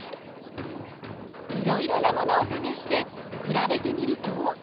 いろいろなものをためしてくらべてみると？